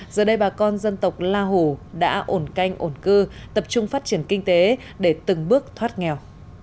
giờ đây bà con dân tộc la hủ đã ổn canh ổn cư tập trung phát triển kinh tế để từng bước thoát nghèo